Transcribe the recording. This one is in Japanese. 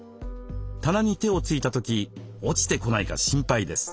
棚に手をついた時落ちてこないか心配です。